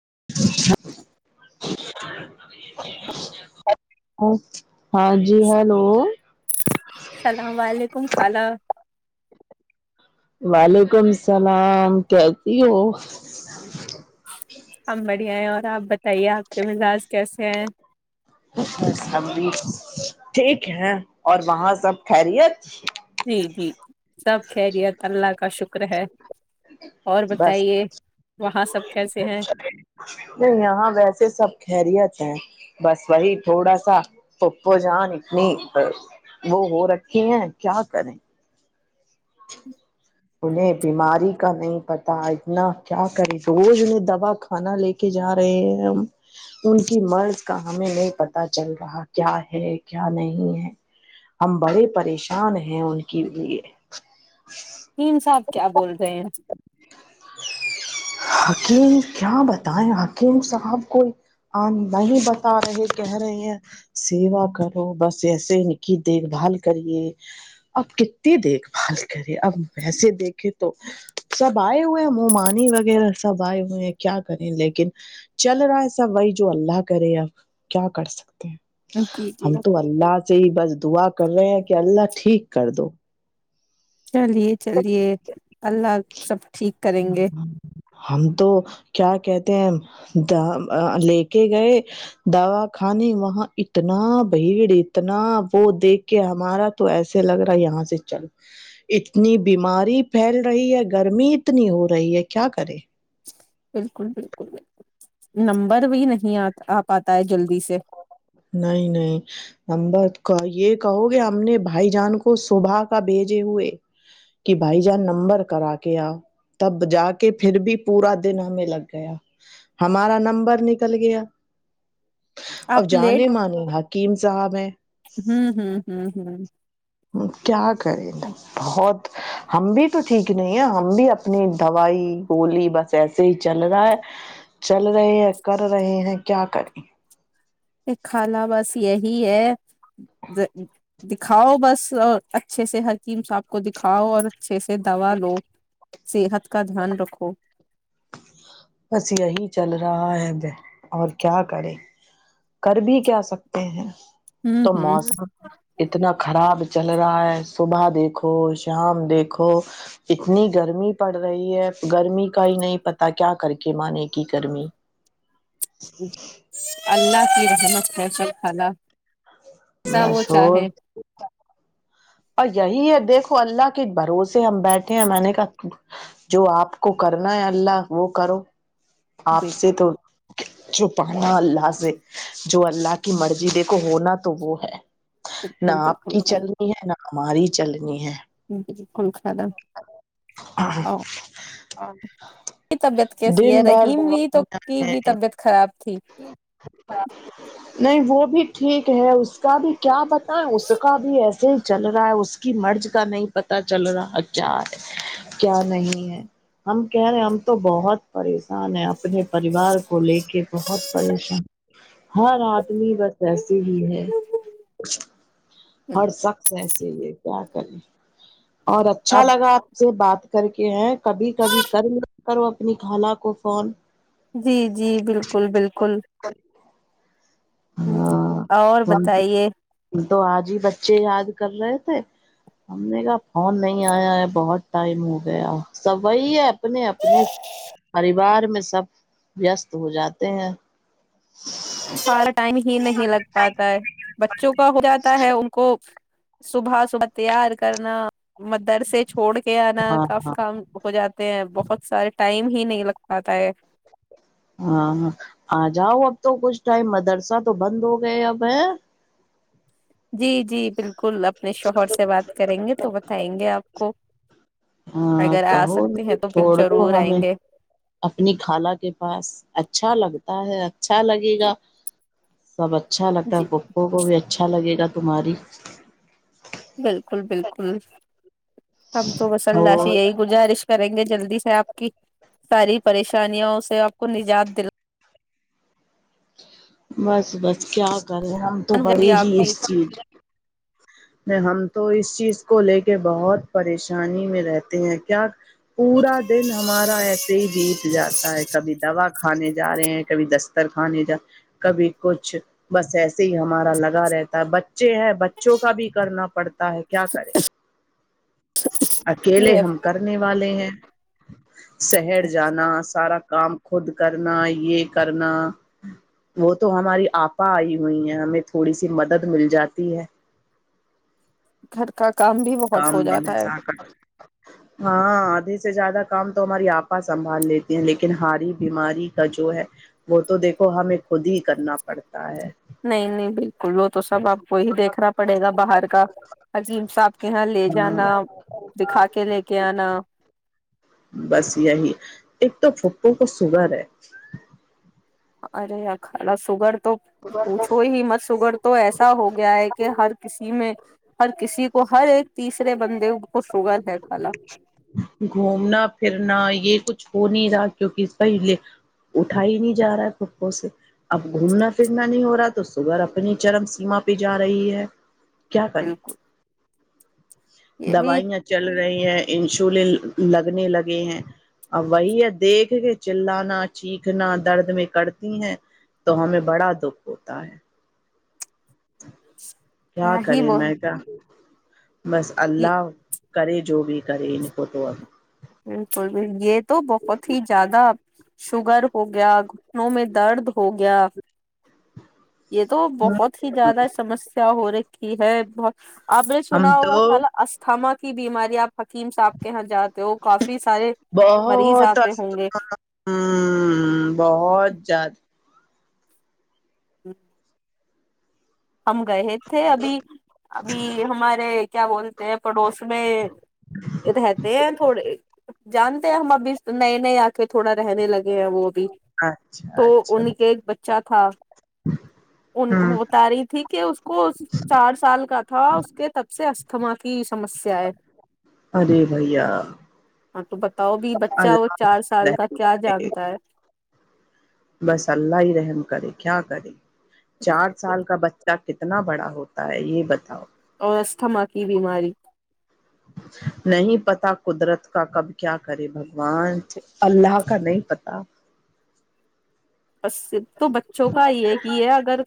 [inaudible] ہاں جی ہیلو کم خھالا وعلیکم السلام کیتی ہو ہم بڑھیا ہیں اور آپ بتائیے آپ کے مزاج کیسے ہیں بھی ٹھیک ہے اور وہاں سب خیریت جی جی سب خیریت اللہ کا شکر ہے اور بس بتائیے وہاں سب کیسے ہیں نہیں یہاں ویسے سب خیریت ہیں بس وہی تھوڑا سا پپو جان اتنی وہ ہو رکھی ہیں کیا کریں [inaudible] انہیں بیماری کا نہیں پتا اتنا کیا کرے روز انہیں دوا کھانا لے کے جا رہے ہیں ہم ان کی مرض کا ہمیں نہیں پتا چل رہا کیا ہے کیا نہیں ہے ہم بڑے پریشان ہیں ان کے لیے صاحب کیا بول رہے ہیں حکیم کیا بتائے حکیم صاحب کوئی آ نہیں بتا رہے کہہ رہے ہیں سیوا کرو بس ایسے ان کی دیکھ بھال کریے اب کتنی دیکھ بھال کرے اب ویسے دیکھے تو سب آئے ہوئے ہیں مومانی وغیرہ سب آئے ہوئے ہیں کیا کریں لیکن چل رہا ہے سب وہی جو اللہ کرے اب کیا کر سکتے جی جی ہم تو اللہ سے ہی بس دعا کر رہے ہیں کہ اللہ ٹھیک کر دو چلیے چلیے اللہ سب ٹھیک کریں گے ہم تو کیا کہتے ہیں لے کے گئے دوا خانے وہاں اتنا بھیڑ اتنا وہ دیکھ کے ہمارا تو ایسے لگ رہا یہاں سے چل اتنی بیماری پھیل رہی ہے گرمی اتنی ہو رہی ہے کیا کرے [unintelligible] بالکل بالکل بالکل نمبر بھی نہیں آ پاتا ہے جلدی سے [unintelligible] نہیں نہیں نمبر یہ کہو گے ہم نے بھائی جان کو صبح کا بھیجے ہوئے کہ بھائی جان نمبر کرا کے آؤ تب جا کے پھر بھی پورا دن ہمیں لگ گیا ہمارا نمبر نکل گیا آپ اب [unintelligible] جانے مان حکیم صاحب ہے ہوں ہ [unintelligible] ہ کیا کریں بہت [unintelligible] ہم بھی تو ٹھیک نہیں ہے ہم بھی اپنی دوائی ہولی بس ایسے ہی چل رہا ہے چل رہے ہیں کر رہے ہیں کیا کریں [unintelligible] ایک خالہ بس یہی ہے دکھاؤ بس اور اچھے سے ہر چیزساف [unintelligible] [unintelligible] کو دکھاؤ اور اچھے سے دوا لو صحت کا دھیان رکھو [unintelligible] بس یہی چل رہا ہے اور کیا کرے کر بھی کیا سکتے ہیں [unintelligible] ہوں تو ہوں موسم اتنا خراب [unintelligible] چل رہا ہے صبح دیکھو شام دیکھو اتنی گرمی پڑ رہی ہے گرمی کا ہی نہیں پتا کیا [unintelligible] کر کے مانے کی کرمی [unintelligible] [unintelligible] [unintelligible] [unintelligible] ایسا وہ بس ہو چاہے [unintelligible] اور یہی ہے دیکھو اللہ کے بھروسے ہم بیٹھے ہیں میں نے کہ جو آپ کو کرنا ہے اللہ وہ کرو [unintelligible] آپ سے بالکل تو [unintelligible] چ پا اللہ سے جو اللہ کی مرضی دیکھو ہونا تو وہ ہے [unintelligible] بالکل نہ آپ بالکل کی چلنی ہے نا [unintelligible] ہم ہماری چلنی ہے [unintelligible] کلک د او [unintelligible] طبیعت کیسی ہے دن بھر رحیم بھی تو دوائیاں کی بھی طبیعت خراب تھی نہیں وہ بھی ٹھیک ہے اس کا بھی کیا بتائیں اس کا بھی ایسےج چل رہا ہے اس کی مرض کا نہیں پتا چل رہا کیا ہے کیا نہیں ہے ہم کہہ رہے ہم تو بہت پ نے اپنے پریوار کو لے کے بہت پریشان [inaudible] ہر آدمی بس ایسے ہی ہے ہر سخت ایسے یہ کیا کریں اور اچھا اب لگا آپ سے بات کر کے ہیں کبھی کبھی کر کرو اپنی خال کو فون [unintelligible] جی جی بالکل بالکل [unintelligible] ہاں ہ اور ہم بتائیے تو آج ہی بچے یاد کر رہے تھے ہم نے کا فون نہیں آیا ہے بہت ٹائم ہو گیا سب وہی ہے اپنے اپنے پریوار میں سب وست ہو جاتے ہیں [unintelligible] ہی نہیں لگ پاتا ہے بچوں کا ہو جاتا ہے ان کو صبح صبح تیار کرنا مدرس چ چھوڑ کے آنا ہاں کافی ہاں کام ہو جاتے ہیں بہت سارے ٹائم ہی نہیں لگ پاتا ہے ہاں ہاں آ جاؤ اب تو کچھ ٹائم مدرسہ تو بند ہو گئے اب ہے جی جی بالکل کل اپنے شوہر سے بات کریں گے تو بتائیں گے آپ کو ہاں اگر آ کہو سکتے ہیں تو پھر چھوڑ دو ضرور آئیں ہمیں گے اپنی خالہ کے پاس اچھا لگتا [inaudible] اچھا لگے جی گا سب اچھا لگتا ہے جی پو کو بھی اچھا لگے گا کماری بالکل بالکل ہم تو وس اللہ سے اور یہی گزارش کریں گے جلدی سے آپ کی ساری پریشانیا اسے آپ کو نجات دل بس بس کیا کرے ہم تو دلان بڑے آپ ہی اس بھی چیز میں ہم تو اس چیز کو لے کے بہت پریشانی میں رہتے ہیں کیا پورا دن ہمارا ایسے ہی بیت جاتا ہے کبھی دوا کھانے جا رہے ہیں کبھی دستر کھانے جا رہ کبھی کچھ بس ایسے ہی ہمارا لگا رہتا ہے بچے ہیں بچوں کا بھی کرنا پڑتا ہے کیا کریں یہ اکیلے ہے ہم کرنے والے ہیں شہر جانا سارا کام خود کرنا یہ کرنا وہ تو ہماری آپا آئی ہوئی ہیں ہمیں تھوڑی سی مدد مل جاتی ہے گھر کا کام بھی بہت ہو جاتا ہے ہاں س سے زیادہ کام تو ہماری آپا سنبھال لیتے ہیں لیکن ہاری بیماری کا جو ہے وہ تو دیکھو ہمیں خود ہی کرنا پڑتا ہے نہیں نہیں بالکل وہ تو سب آپ کو ہی دیکھنا پڑے گا باہر کا عظیم صاحب کے یہاں لے ہاں جانا دکھا کے لے کے آنا بس یہی ایک تو پھپھوں کو سگرر ہے ارے ا کھا سگر تو پوچھو ہی مت سگڑ تو ایسا ہو گیا ہے کہ ہر کسی میں ہر کسی کو ہر ایک تیسرے بند گھومنا پھرنا یہ کچھ چھو نہیں رہا کیونکہ پہلے اٹھا ہی نہیں جا رہا ہے خوں سے اب گھومنا پھرنا نہیں ہو رہا تو سبگر اپنی چرم سیما پہ جا رہی ہے کیا بنے بالکل یہ بھی دوائیاں چل رہی ہیں انشولن لگنے لگے ہیں ا وہی ہے دیکھ کے چللانا چیخنا درد میں کرتی ہیں تو ہمیں بڑا دکھ ہوتا ہے کیا ہی کرے بول میں کیا بس اللہ کر جو بھی کر ہی ن پتوں ہے [unintelligible] یہ تو بہت ہی زیادہ شوگر ہو گیا گھٹنوں میں درد ہو گیا یہ تو بہت ہی زیادہ سمسیا ہوئی رکھی ہے بہت آپ نے ہم سنا ہوگا تو خال اسھاما کی بیماری آپ حکیم صاحب کے یہاں جاتے ہو کافی سارے مریض بہت آتے ہوں گے ہ بہت جد [unintelligible] ہم گئے تھے ابھی ابھی ہمارے کیا بول پڑوس میں رہتے ہیں تھوڑے جانتے ہیں ہم ابھی نئے نئے آکے تھوڑا رہنے لگے وہ بھی اچھا تو اچھا ان ہوں کے بچے ا تھا ان کو بتا رہی اس کو چار سال کا تھا اس کے تب سے استھما کی سمسیا ہے ارے بھیا ہاں تو بتاؤ بھی بچہ وہ اللہ چار سال کا رحم کیا جانتا ہے بس اللہ ہی رحم کرے کیا کریں چار سال کا بچہ کتنا بڑا ہوتا ہے یہ بتاؤ اور استھما کی بیماری نہیں پتا قدرت کا کب کیا کرے بھگوان اللہ کا نہیں پتا بس تو بچوں کا یہ ہی ہے اگر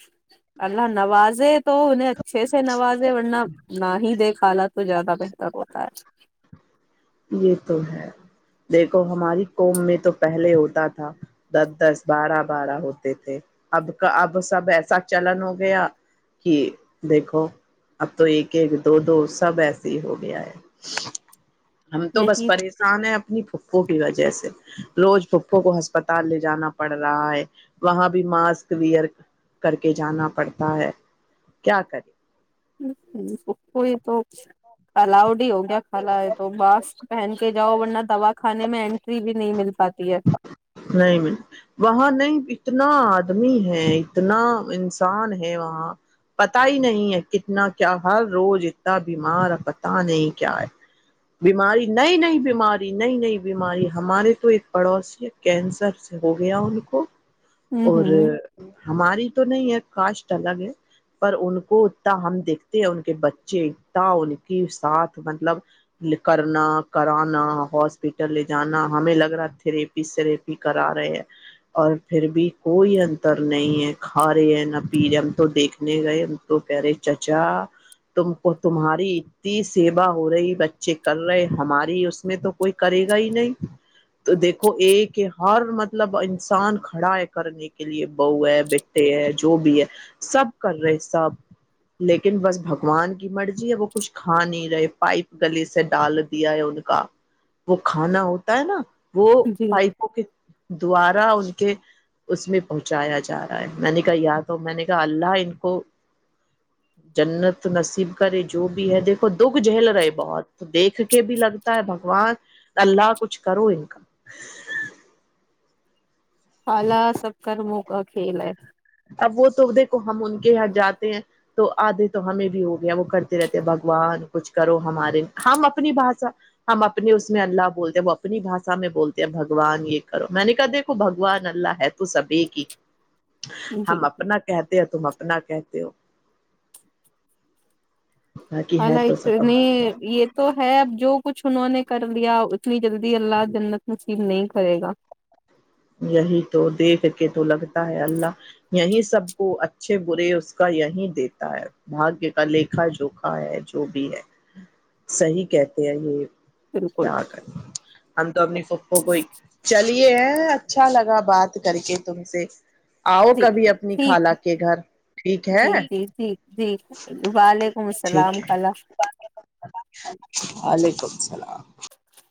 اللہ نوازے تو انہیں اچھے سے نوازے ورنہ نہ ہی دے حالات تو زیادہ بہتر ہوتا ہے یہ تو ہے دیکھو ہماری قوم میں تو پہلے ہوتا تھا دس دس بارہ بارہ ہوتے تھے اب کا اب سب ایسا چلن ہو گیا کہ دیکھو اب تو ایک ایک دو دو سب ایسے ہی ہو گیا ہے ہم ہے تو بس یہی پریشان ہیں اپنی پھوپھوں کی وجہ سے روز پھوپھوں کو ہسپتال لے جانا پڑ رہا ہے وہاں بھی ماسک ویئر کر کے جانا پڑتا ہے کیا کرے کوئی تو الاؤڈ ہو گیا کھالا ہے تو ماسک پہن کے جاؤ ورنہ دوا کھانے اینٹری بھی نہیں مل پاتی ہے نہیں وہاں نہیں اتنا آدمی ہے اتنا انسان ہے وہاں پت ہی نہیں ہے کتنا کیا ہر روز اتنا بیمار ہے پت نہیں کیا ہے بیماری نئی نئی بیماری نئی نئی بیماری ہمارے تو ایک پڑوسی ہے کینسر سے ہو گیا ان کو ہ اور ہ ہماری تو نہیں ہے کاسٹ الگ ہے پر ان کو اتنا ہم دیکھتے ہیں ان کے بچے اتنا ان کی ساتھ مطلب کرنا کرانا ہاسپٹل لے جانا ہمیں لگ رہا تھ ر کرا رہے ہیں اور پھر بھی کوئی انتر نہیں ہے کھا رہے ہیں نہ پی رہے ہم تو دیکھنے گئے ہم تو کہہ رہے چچا تم کو تمہاری اتنی سیوا ہو رہی بچے کر رہے ہماری اس میں تو کوئی کرے گا ہی نہیں تو دیکھ کو ایک ہر مطلب انسان کھڑا ہے کرنے کے لیے بہ ہے بیٹے ہے جو بھی ہے سب کر رہے سب لیکن بس بھگوان کی مرضی ہے وہ کچھ کھا نہیں رہے پائپ گلے سے ڈال دیا ہے ان کا وہ کھانا ہوتا ہے نا وہ جی پائپو کے دوار [inaudible] ان کے اس میں پہنچایا جا رہا ہے میں نے کہا یاد ہو میں نے کہا اللہ ان کو جنت نصیب کرے جو بھی ہے دیکھو دکھ جھیل رہے بہت دیکھ کے بھی لگتا ہے بگوان اللہ کچھ کرو ان کا خالا سب کر موگ کھیل ہے اب وہ تو دیکھو ہم ان کے یہاں جاتے ہیں تو آدھے تو ہمیں بھی ہو گیا وہ کرتے رہتے بھگوان کچھ کرو ہمارے ہم اپنی بھاشا ہم اپنے اس میں اللہ بولتے ہیں وہ اپنی بھاشا میں بولتے ہیں بھگوان یہ کرو میں نے کہا دیکھو بگوان اللہ ہے تو سبھی کی جی ہم جی اپنا کہتے ہیں تم نا کہتے ہو خا باقی ہے لا تو سب اتنی یہ تو ہے اب جو کچھ انہوں نے کر لیا اتنی جلدی اللہ جنت نصیب نہیں کرے گا یہی تو دیکھ کے تو لگتا ہے اللہ یہی سب کو اچھے برے اس کا یہی دیتا ہے بھاگیہ کا لھا جوکھا ہے جو بھی ہے صی کہتے ہیں یہ بالکل کیا کر ہم تو اپنی خ کو چل [inaudible] ہے [unintelligible] اچھا لگا بات کر کے تم سے آؤ جی کبھی اپنی ٹھیک خالہ ہے کے گھر ٹھیک ہے جی جی جی جی وعلیکم ٹھیک السلام ہے خلا وعلیکم سلام